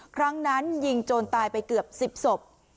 ครั้งนั้นยิงโจรตายไปเกือบ๑๐ศพ